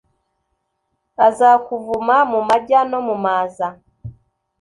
Azakuvuma mu majya no mu maza. “